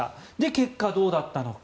結果どうだったのか。